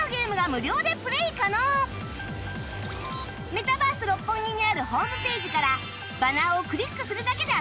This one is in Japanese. メタバース六本木にあるホームページからバナーをクリックするだけで遊べるよ